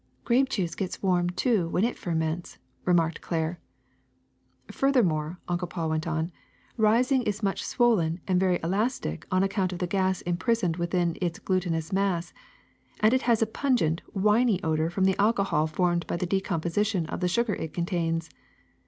'' ''Grape juice gets warm, too, when it ferments," remarked Claire. "Furthermore," Uncle Paul went on, "rising is much swollen and very elastic on account of the gas imprisoned witliin its glutinous mass; and it has a pungent, winy odor from the alcohol formed by the decomposition of the sugar it contains.